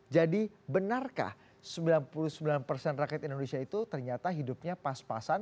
jadi benarkah sembilan puluh sembilan persen rakyat indonesia itu ternyata hidupnya pas pasan